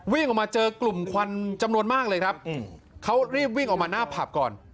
วิ่งออกมาเจอกลุ่มควันจำนวนมากเลยครับเขารีบวิ่งออกมาหน้าผับก่อน